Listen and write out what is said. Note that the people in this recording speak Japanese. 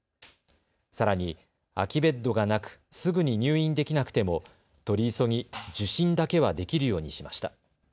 さらに空きベッドがなくすぐに入院できなくても取り急ぎ受診だけはできるようにしました。